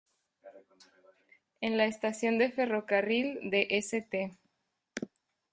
En la estación de ferrocarril de St.